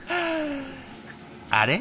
あれ？